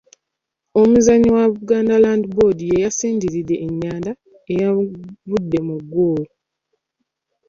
Omuzannyi wa Buganda Land Board y'eyasindiridde ennyanda eyavuddemu ggoolo.